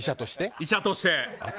医者として。